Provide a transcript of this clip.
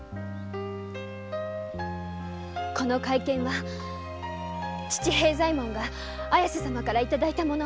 この懐剣は父平左衛門が綾瀬様から頂いたもの。